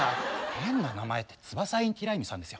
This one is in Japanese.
変な名前ってツバサ・インティライミさんですよ。